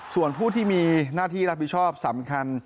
ส่วนผู้ที่มีหน้าที่รับผิดชอบสำคัญ